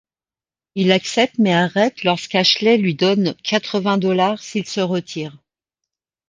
Il accepte, mais arrête lorsque Ashley lui donne quatre-vingts dollars s'il se retire.